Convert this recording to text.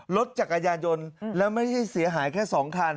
รถจักรยานยนต์แล้วไม่ได้เสียหายแค่๒คัน